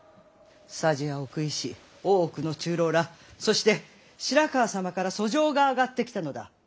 匙や奥医師大奥の中臈らそして白河様から訴状が上がってきたのだ！